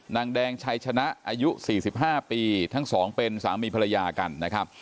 นางแดงชัยชนะอายุ๔๕ปีทั้งสองเป็นสามีภรรยากันนะครับ